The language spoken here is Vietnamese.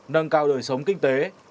nâng cao đời sống kinh tế